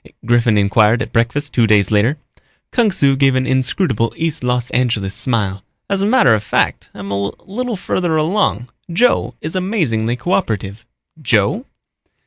Griffin inquired at breakfast two days later. Kung Su gave an inscrutable East Los Angeles smile. "As a matter of fact, I'm a little farther along. Joe is amazingly coöperative." "Joe?"